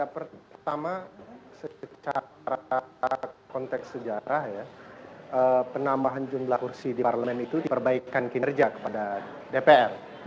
pertama secara konteks sejarah ya penambahan jumlah kursi di parlemen itu diperbaikan kinerja kepada dpr